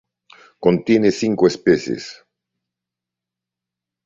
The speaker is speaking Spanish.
Contiene cinco especies.